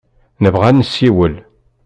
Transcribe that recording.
Nebɣa ad nessiwel.